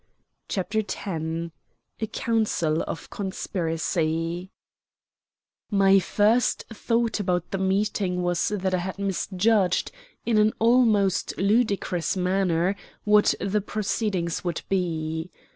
CHAPTER X A COUNCIL OF CONSPIRACY My first thought about the meeting was that I had misjudged, in an almost ludicrous manner, what the proceedings would be.